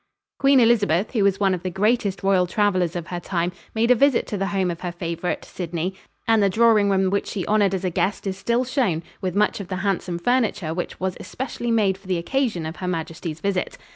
Queen Elizabeth, who was one of the greatest royal travelers of her time, made a visit to the home of her favorite, Sidney, and the drawing room which she honored as a guest is still shown, with much of the handsome furniture which was especially made for the occasion of Her Majesty's visit.